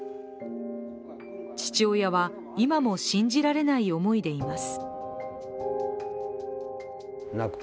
父親は、今も信じられない思いでいます。